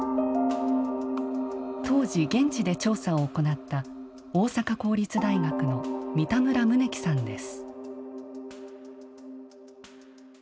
当時現地で調査を行った大阪公立大学の三田村宗樹さんです。